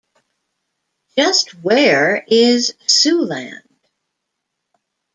Just where is Siouxland?